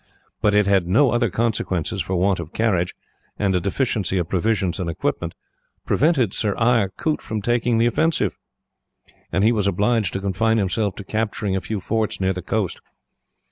But it had no other consequences, for want of carriage, and a deficiency of provisions and equipment, prevented Sir Eyre Coote from taking the offensive, and he was obliged to confine himself to capturing a few forts near the coast.